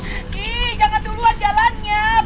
ih jangan duluan jalannya